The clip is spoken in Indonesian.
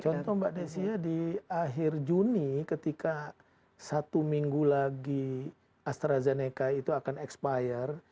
contoh mbak desia di akhir juni ketika satu minggu lagi astrazeneca itu akan expire